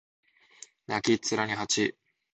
泣きっ面に蜂